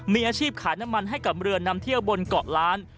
มีอาชีพขายน้ำมันให้กับเรือนำเที่ยวบนเกาะล้าน